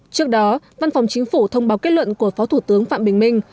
trước đó văn phòng chính phủ thông báo kết luận của phó thủ tướng phạm bình minh